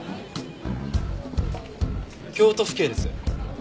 京都府警です。